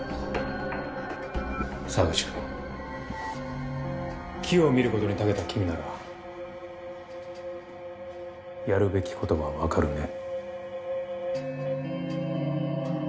沢口くん機を見る事に長けた君ならやるべき事はわかるね？